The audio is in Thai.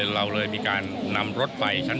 เราเลยมีการนำรถไฟชั้น๓